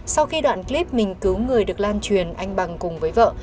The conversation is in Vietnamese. sau khi đoạn clip mình cứu người được lan truyền anh bằng cùng với vợ